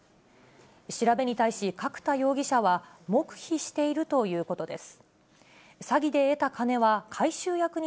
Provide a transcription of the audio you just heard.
調べに対し、角田容疑者は黙秘しているということです。